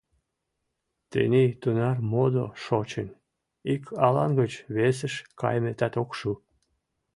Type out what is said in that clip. — Тений тунар модо шочын — ик алан гыч весыш кайыметат ок шу.